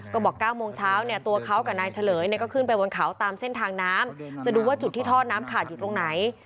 ก็บอก๙โมงเช้าเนี่ยตัวเขากับนายเฉลยเนี่ยก็ขึ้นไปบนเขาตามเส้นทางน้ำจะดูว่าจุดที่ทอดน้ำขาดอยู่ตรงไหน